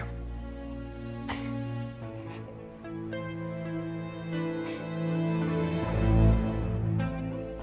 aku mau pulang